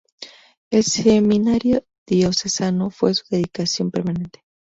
El seminario diocesano fue su dedicación permanente.